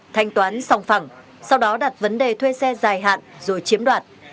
thanh toán sòng phẳng sau đó đặt vấn đề thuê xe dài hạn rồi chiếm đoạt